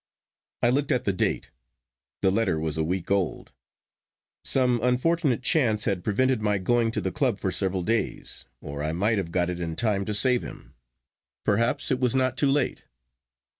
I looked at the date. The letter was a week old. Some unfortunate chance had prevented my going to the club for several days, or I might have got it in time to save him. Perhaps it was not too late.